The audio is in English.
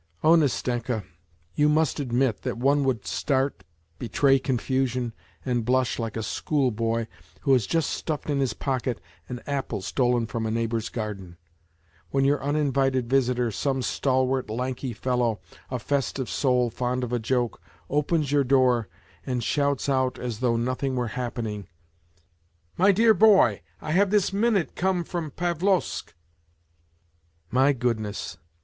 ... Oh, Nastenka, you must admit that one would start, betray confusion, and blush like a schoolboy who has just stuffed in his pocket an apple stolen from a neighbour's garden, when your uninvited visitor, some stalwart, lanky fellow, a festive soul fond of a joke, opens your door and shouts out as though nothing were hap pening ;' My dear boy, I have this minute come from Pavlovsk.' My goodness